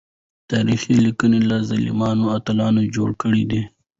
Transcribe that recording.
تاريخ ليکونکو له ظالمانو اتلان جوړ کړي دي.